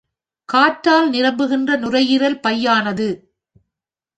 காற்றால் நிரம்புகின்ற நுரையீரல் பையானது.